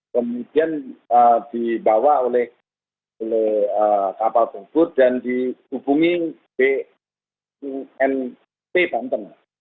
kemudian dibawa oleh kapal penghubung dan dihubungi bnp banten